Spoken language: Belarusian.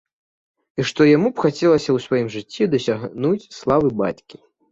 І што яму б хацелася ў сваім жыцці дасягнуць славы бацькі.